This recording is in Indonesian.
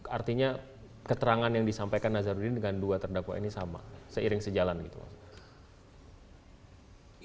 artinya keterangan yang disampaikan nazarudin dengan dua terdakwa ini sama seiring sejalan gitu mas